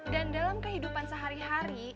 dan dalam kehidupan sehari hari